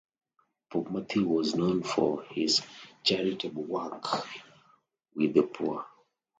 Pope Matthew was known for his charitable work with the poor.